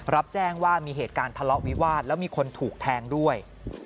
รับแจ้งว่ามีเหตุการณ์ทะเลาะวิวาสแล้วมีคนถูกแทงด้วย